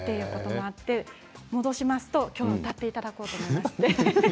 きょうは歌っていただこうと思います。